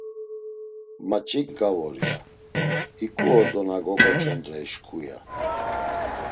“Ma Ç̌inǩa vor” ya; “Hiǩu ordo na gogoç̌ondrey şǩu!” ya.